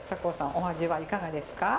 お味はいかがですか？